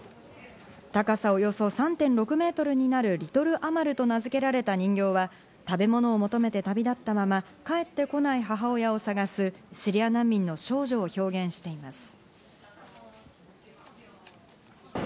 高さおよそ３．６メートルになる、リトル・アマルと名付けられた人形は食べ物を求めて旅立ったまま、帰って来ない母親を探すシリア難民の少女を表現しています。